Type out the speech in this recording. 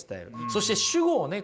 そして主語をね